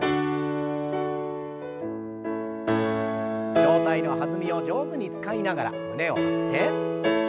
上体の弾みを上手に使いながら胸を張って。